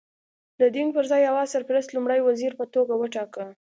د دینګ پر ځای هوا سرپرست لومړی وزیر په توګه وټاکه.